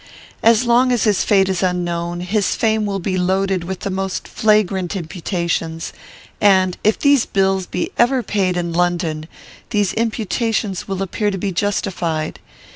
As long as his fate is unknown, his fame will be loaded with the most flagrant imputations, and, if these bills be ever paid in London, these imputations will appear to be justified.